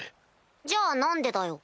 じゃあ何でだよ。